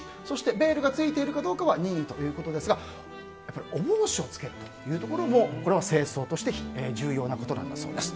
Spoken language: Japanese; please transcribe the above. ベールがついているかどうかは任意ということですが、やっぱりお帽子を着けるというところも正装として重要なことなんだそうです。